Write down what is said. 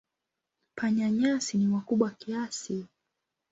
Panya-nyasi ni wakubwa kiasi.